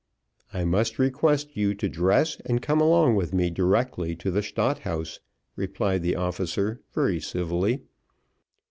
"I must request you to dress and come along with me directly to the Stadt House," replied the officer, very civilly.